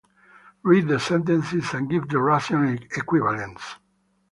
Read the sentences and give the Russian equivalents.